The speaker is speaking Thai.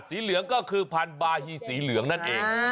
สีเหลืองก็คือพันธุ์บาหิสีเหลืองนั่นนั่นเอง